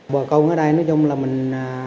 bà con ở đây nói chung là mình